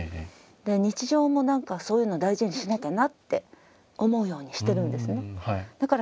日常も何かそういうのを大事にしなきゃなって思うようにしてるんですね。